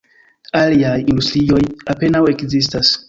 Aliaj industrioj apenaŭ ekzistas.